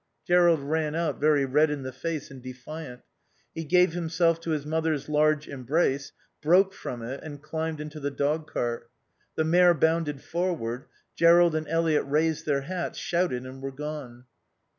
Jerrold ran out, very red in the face and defiant. He gave himself to his mother's large embrace, broke from it, and climbed into the dogcart. The mare bounded forward, Jerrold and Eliot raised their hats, shouted and were gone.